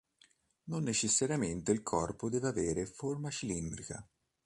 Non necessariamente il corpo deve avere forma cilindrica.